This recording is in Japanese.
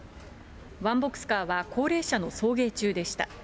ワンボックスカーは高齢者の送迎中でした。